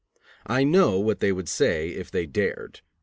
I know what they would say if they dared.